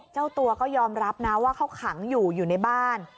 เจ้าตัวก็ยอมรับนะว่าเขาขังอยู่อยู่ในบ้าน